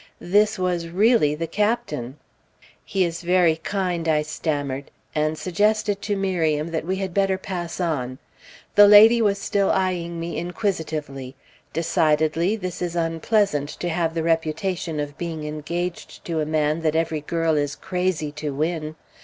This was really the Captain." "He is very kind," I stammered, and suggested to Miriam that we had better pass on. The lady was still eyeing me inquisitively. Decidedly, this is unpleasant to have the reputation of being engaged to a man that every girl is crazy to win!